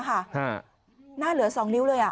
หน้าเหลือ๒นิ้วเลย